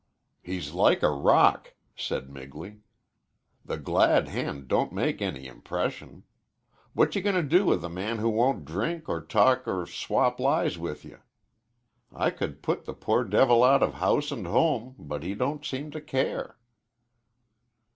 "He's like a rock," said Migley. "The glad hand don't make any impression. What ye going to do with a man who won't drink or talk or swap lies with ye? I could put the poor devil out of house and home, but he don't seem to care."